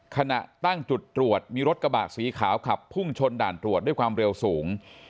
ขณะตั้งจุดตรวจมีรถกระบะสีขาวขับพุ่งชนด่านตรวจด้วยความเร็วสูง